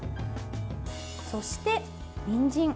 そして、にんじん。